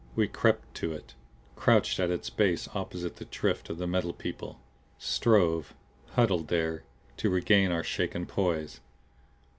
We crept to it; crouched at its base opposite the drift of the Metal People; strove, huddled there, to regain our shaken poise.